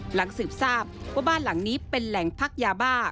หลังสืบทราบว่าบ้านหลังนี้เป็นแหล่งพักยาบ้า